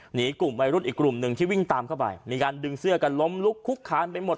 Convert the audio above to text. หนีกลุ่มวัยรุ่นอีกกลุ่มหนึ่งที่วิ่งตามเข้าไปมีการดึงเสื้อกันล้มลุกคุกคานไปหมด